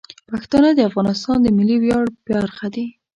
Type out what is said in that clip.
پښتانه د افغانستان د ملي ویاړ برخه دي.